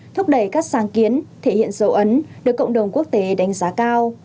thúc đẩy các sáng kiến thể hiện dấu ấn được cộng đồng quốc tế đánh giá cao